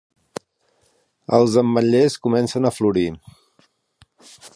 Els ametllers comencen a florir.